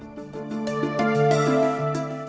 dan dia semakin kuat